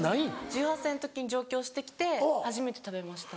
１８歳の時に上京してきて初めて食べました。